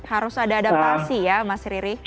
harus ada adaptasi ya mas riri